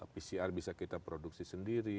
pcr bisa kita produksi sendiri